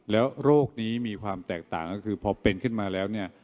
แล้วโรคนี้มีความแตกต่างก็คือพอเป็นขึ้นมาแล้วเนี่ย